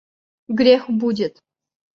Грех будет.